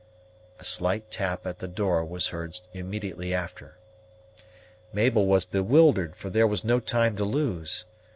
A slight tap at the door was heard immediately after. Mabel was bewildered, for there was no time to lose.